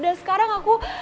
dan sekarang aku